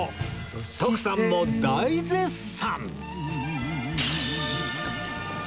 徳さんも大絶賛！